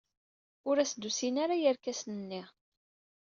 Ur as-d-usin ara yirkasen-nni.